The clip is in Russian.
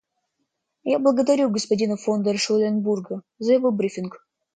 Я благодарю господина фон дер Шуленбурга за его брифинг.